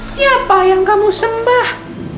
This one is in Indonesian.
siapa yang kamu sembah